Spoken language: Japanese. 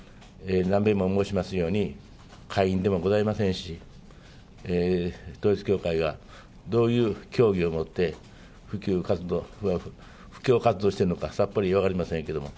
何べんも申しますように、会員でもございませんし、統一教会がどういう教義を持って普及活動、布教活動をしているのかさっぱり分かりませんけども。